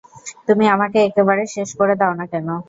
তুমি আমাকে একেবারে শেষ করে দাও না কেন?